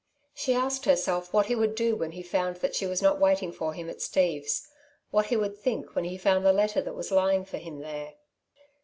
She asked herself what he would do when he found that she was not waiting for him at Steve's what he would think when he found the letter that was lying for him there.